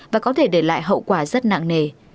và có thể để lại hậu quả rất nặng nề